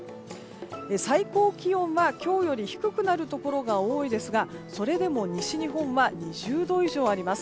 最高気温は今日より低くなるところが多いですがそれでも西日本は２０度以上あります。